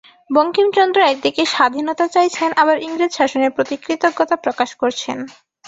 বঙ্কিমচন্দ্র একদিকে স্বাধীনতা চাইছেন, আবার ইংরেজ শাসনের প্রতি কৃতজ্ঞতা প্রকাশ করছেন।